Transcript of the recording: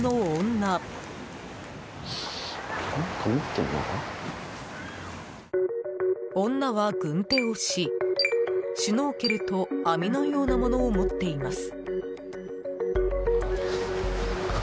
女は軍手をし、シュノーケルと網のようなものを持っています。